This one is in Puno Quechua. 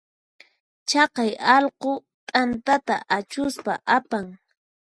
Chaqay allqu t'antata achuspa apan.